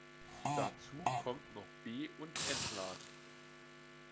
Dazu kommt noch Be- und Entladen.